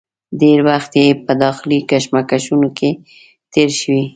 ډېر وخت یې په داخلي کشمکشونو کې تېر شوی.